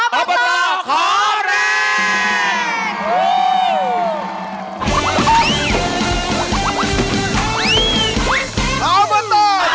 อบอตต่อขอแรง